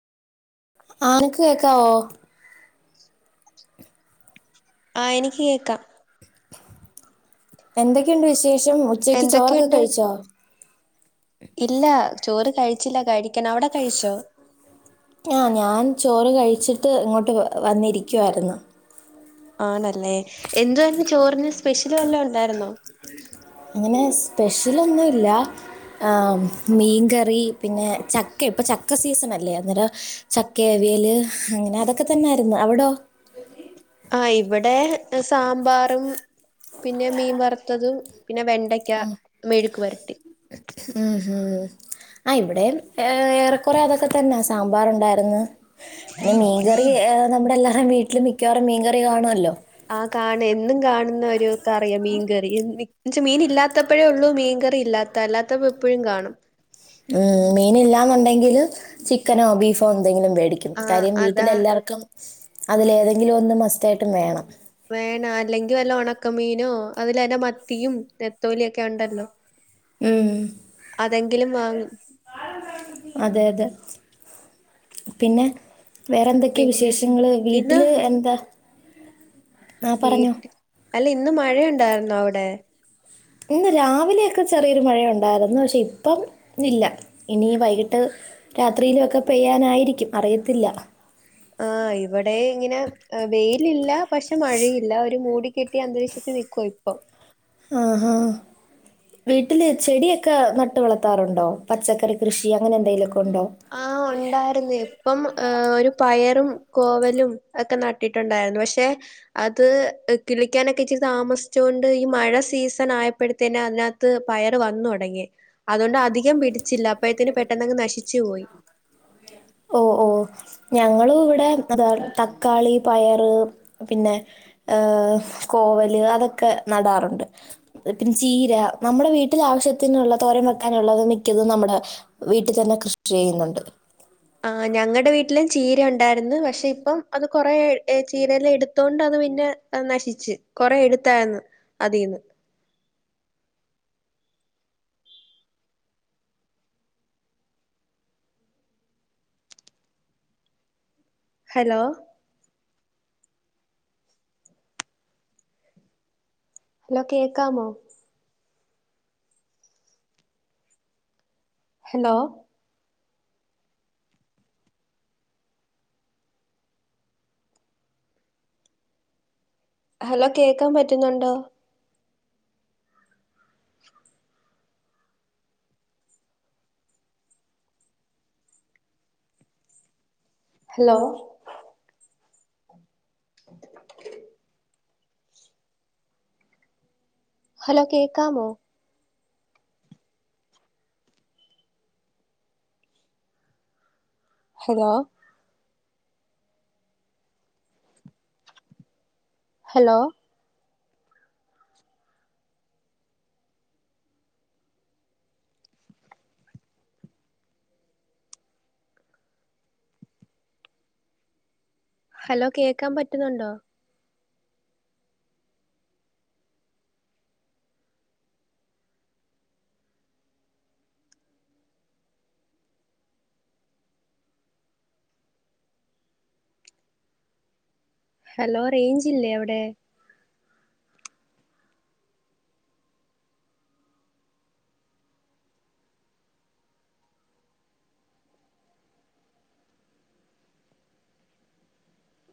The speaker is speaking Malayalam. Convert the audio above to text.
ആനക്ക് കേൾക്കാവോ ആഹ് എനിക്ക് കേൾക്കാം എന്തൊക്കെയുണ്ട് വിശേഷം ഉച്ചക്ക് ചോറൊക്കെ എന്തൊക്കെയുണ്ട് കഴിച്ചോ ഇല്ല ചോറ് കഴിച്ചില്ല കഴിക്കണം അവിടെ കഴിച്ചോ ആഹ് ഞാൻ ചോറ് കഴിച്ചിട്ട് ഇങ്ങോട്ട് വന്നിരിക്കുവായിരുന്നു ആണല്ലേ എന്തുരുന്നു ചോറിന് സ്പെഷ്യല് വല്ല ഉണ്ടായിരുന്നോ അങ്ങനെ സ്പെഷ്യലൊന്നുല്ല ആഹ് മീൻകറി പിന്നെ ചക്ക ഇപ്പൊ ചക്ക സീസൺ അല്ലേ അന്നേരം ചക്കേവിയല് അങ്ങനെ അതൊക്കെ തന്നൊയിരുന്നു അവിടോ ആഹ് ഇവിടെ സാമ്പാറും പിന്നെ മീൻ വറുത്തതും പിന്നെ വെണ്ട ക്ക മേഴുക്ക് വരട്ടി ഉം ഹും ആഹ് ഇവിടെ ഏ ഏറെക്കുറെ അതൊക്കെ തന്നെയ സാമ്പാർ ഉണ്ടായിന്ന് പിന്നെ മീൻകറി നമ്മുടെ എല്ലാവും വീട്ടില് മിക്കവാറും മീൻകറി കാണുല്ലോ ആഹ് കാണ എന്നും കാണുന്ന ഒരു കറിയ മീൻകറി എന്നച്ച മീൻ ഇല്ലാത്തപ്പോഴേ ഉള്ളൂ മീൻ കറി ഇല്ലാ അല്ലാത്തപ്പോ എപ്പോഴും കാണും ഉം മീനല്ലാന്നുണ്ടെങ്കില് ചിക്കനോ ബീഫോ എന്തെങ്കിലും മേടിക്ക ആ കാര്യം വീട്ടില അതാ എല്ലാവർക്കും അതിലേതെങ്കിലും ഒന്ന് മസ്റ്റയിട്ടും വേണം വേണ അല്ലെങ്കിൽ വല്ല ഉണക്കമീനോ അതിലല്ല മത്തിയും നെത്തോലിയ ഒക്കെ ഉണ്ടല്ലോ ഉം അതെങ്കിലും വാങ്ങും അതെ അതെ പിന്നെ വേറെന്തൊക്കെയ പിന്നെ വിശേഷങ്ങള് ഇന്ന് വീട്ടില് എന്താ ആ പറഞ്ഞോ വീട്ടിൽ അല്ല ഇന്ന് മഴയുണ്ടായിന്നോ അവിടെ ഇന്ന് രാവിലെയൊക്കെ ചെറിയൊരു മഴയുണ്ടായിരുന്നു പക്ഷേ ഇപ്പം ഇല്ല ഇനി വൈകിട്ട് രാത്രിയിലു ഒക്കെ പെയ്യാനായിരിക്കും അറിയത്തില്ല ആഹ് ഇവിടെ ഇങ്ങനെ വെയിലില്ല പക്ഷെ മഴയില്ല ഒരു മൂടി കിട്ടി അന്തരീക്ഷത്തിൽ നിൽക്കോ ഇപ്പൊ ആഹാ വീട്ടില് ചെടിയൊക്കെ നട്ട് വളർത്താറുണ്ടോ? പച്ചക്കറി കൃഷി അങ്ങനെ എന്തേലുഒക്കെ ഉണ്ടോ? ആഹ് ഒണ്ടാര് പ്പം ഒരു പയറും കോവലും ഒക്കെ നട്ടിട്ടുണ്ടായിരുന്നു പക്ഷെ, അത് കിളിക്കാനൊക്കെ ഇച്ചിരി താമസിച്ചു കൊണ്ട് ഈ മഴ സീസണായപ്പഴത്തെന്നെ അതിനാ ത്ത് പയറ് വന്നു തൊടങ്ങി. അതുകൊണ്ട് അധികം പിടിച്ചില്ല അപ്പഴത്തിന് പെട്ടെന്നങ്ങ് നശിച്ചു പോയി. ഓഹ് ഓഹ് ഞങ്ങളും വിടെ അതാ തക്കാളി പയറ് പിന്നെ ഏഹ് കോവല് അതൊക്കെ നടാറുണ്ട്. ഒത്തിരി ചീര നമ്മുടെ വീട്ടിൽ ആവശ്യത്തിനുള്ള തോരൻ വെക്കാനുള്ളത് മിക്കതും നമ്മുടെ വീട്ടിതന്നെ കൃഷി ചെയ്യുന്നുണ്ട്. ആഹ് ഞങ്ങടെ വീട്ടിലും ചീര ഉണ്ടായിരുന്നു പക്ഷെ ഇപ്പം അത് കൊറെ എ ചീരെല എടുത്തോണ്ട് അത് പിന്നെ അത് നശിച്ച് കൊറെ എടുത്തായിന്നു അതീന്ന് ഹലോ ഹലോ കേക്കാമോ? ഹലോ ഹലോ കേക്കാൻ പറ്റുന്നുണ്ടോ? ഹലോ ഹലോ കേക്കാമോ? ഹലോ ഹലോ ഹലോ കേക്കാൻ പറ്റുന്നുണ്ടോ? ഹലോ റെയിഞ്ചില്ലേ അവിടെ?